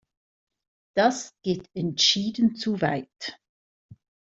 Das geht entschieden zu weit!